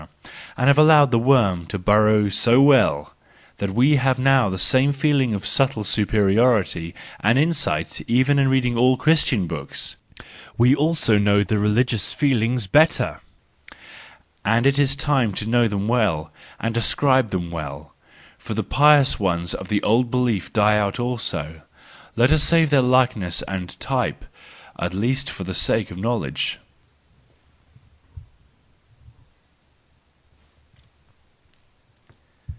and have allowed the worm to burrow so well, that we have now the same feeling of subtle superiority and insight even in reading all Christian books:—we know also the religious feelings better ! And it is time to know them well and describe them well, for the pious ones of the old belief die out also; let us save their likeness and type, at least for the sake of knowledge.